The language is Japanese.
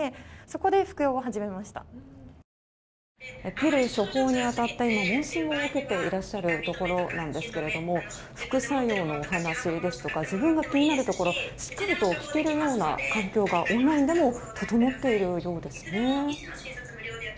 ピル処方に当たって今、問診を受けていらっしゃるところなんですけども副作用のお話ですとか自分が気になるところをしっかりと聞けるような環境がオンラインでも整っているんですね。